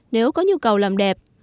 nếu có nhu cầu làm đẹp